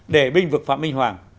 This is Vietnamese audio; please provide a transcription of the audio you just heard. để bình vực phạm minh hoàng